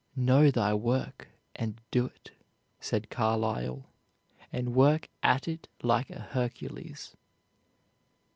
"Know thy work and do it," said Carlyle; "and work at it like a Hercules."